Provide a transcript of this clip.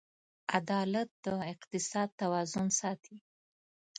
عدالت د اقتصاد توازن ساتي.